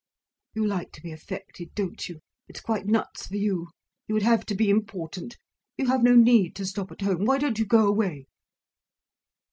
"You like to be affected—don't you? It's quite nuts for you? You would have to be important. You have no need to stop at home. Why don't you go away!"